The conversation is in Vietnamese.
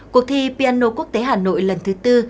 cuộc thi piano quốc tế hà nội lần thứ tư